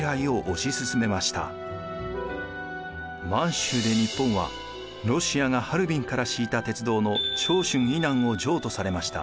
満州で日本はロシアがハルビンから敷いた鉄道の長春以南を譲渡されました。